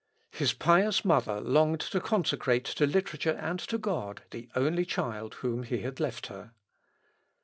His pious mother longed to consecrate to literature and to God the only child whom He had left her.